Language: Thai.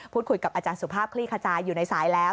คุยกับอาจารย์สุภาพคลี่ขจายอยู่ในสายแล้ว